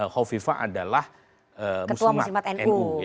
hovifah adalah muslimat nu